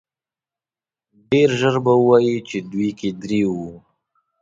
ډېر ژر به ووايي په دوی کې درې وو.